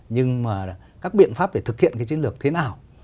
nhưng mà các biện pháp để thực hiện cái chiến lược thế nào